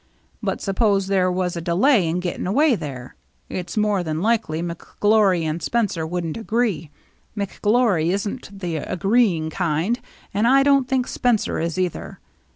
But suppose there was a delay in getting away there, — it's more than likely McGlory and Spencer wouldn't agree. McGlory isn't the agreeing kind, and I don't think Spencer is either.